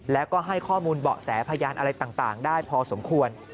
แล้วก็ให้ข้อมูลเบาะแสพยานอะไรต่างได้พอสมควร